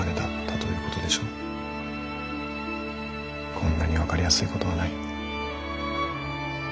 こんなに分かりやすいことはない。